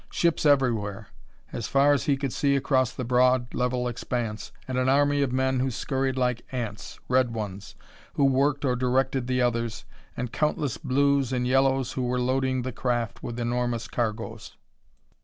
Ships everywhere, as far as he could see across the broad level expanse, and an army of men who scurried like ants red ones, who worked or directed the others, and countless blues and yellows who were loading the craft with enormous cargoes.